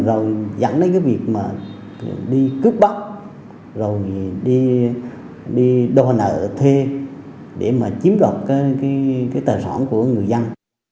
rồi dẫn đến cái việc mà đi cướp bắp rồi đi đò nợ thuê để mà chiếm đọc cái tài sản của người dân